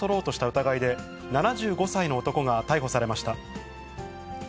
疑いで、７５歳の男が逮捕されました。